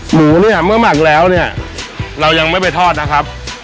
หมูเนี่ยเมื่อหมักแล้วเนี่ยเรายังไม่ไปทอดนะครับ